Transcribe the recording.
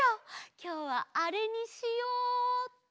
きょうはあれにしようっと。